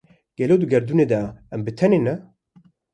Gelo di gerdûnê de em bi tenê ne?